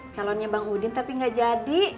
calonnya bang wudin tapi enggak jadi